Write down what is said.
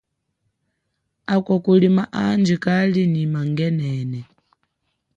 Akwa kulima andji kali nyi mangenene.